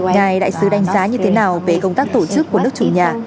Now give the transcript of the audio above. ngài đại sứ đánh giá như thế nào về công tác tổ chức của nước chủ nhà